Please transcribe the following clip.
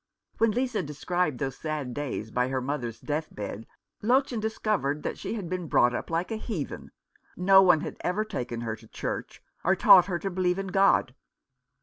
When Lisa described those sad days by her mother's death bed Lottchen discovered that she had been brought up like a heathen. No one had ever taken her to church, or taught her to believe in God.